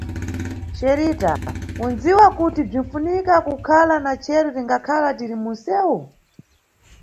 Xerita, unʼdziwa kuti bzinʼfunika kukhala na chero tingakhala tiri munʼsewu?